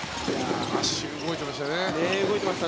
足、動いてましたね。